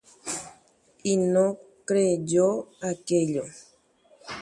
ha ndogueroviáigui upe mba'e